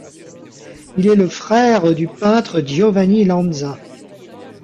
Il est le frère du peintre Giovanni Lanza.